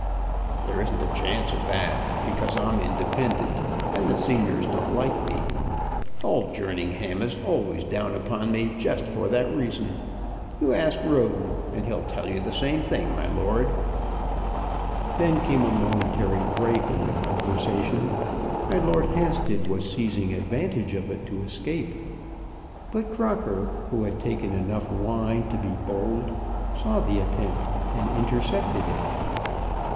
There isn't a chance of that, because I'm independent, and the seniors don't like me. Old Jerningham is always down upon me just for that reason. You ask Roden, and he'll tell you the same thing, my lord." Then came a momentary break in the conversation, and Lord Hampstead was seizing advantage of it to escape. But Crocker, who had taken enough wine to be bold, saw the attempt, and intercepted it.